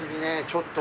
ちょっと。